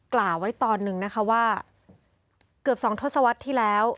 กล่าวไว้ตอนหนึ่งนะคะว่าเกือบ๒ทศวรรษที่แล้ว